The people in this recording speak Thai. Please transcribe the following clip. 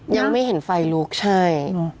ยังไม่เห็นไฟลุกใช่